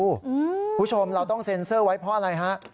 คุณผู้ชมเราต้องเซ็นเซอร์ไว้เพราะอะไรฮะ